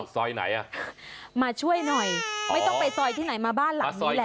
ซอยไหนอ่ะมาช่วยหน่อยไม่ต้องไปซอยที่ไหนมาบ้านหลังนี้แหละ